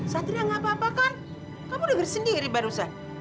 satria nggak apa apa kan kamu denger sendiri barusan